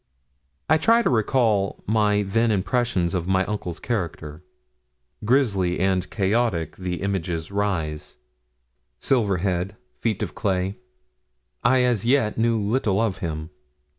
I try to recall my then impressions of my uncle's character. Grizzly and chaotic the image rises silver head, feet of clay. I as yet knew little of him.